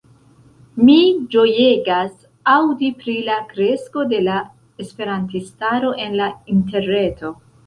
Mi ĝojegas aŭdi pri la kresko de la esperantistaro en la interreto.